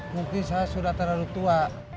mungkin saya sudah terlalu tua